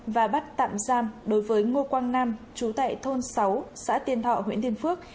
và bắt tạm giam đối với ngô quang nam chú tại thôn sáu xã tiên thọ huyện tiên phước